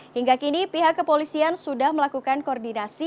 hingga kini pihak kepolisian sudah melakukan koordinasi